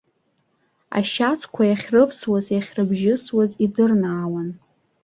Ашьацқәа иахьрывсуаз, иахьрыбжьысуаз идырнаауан.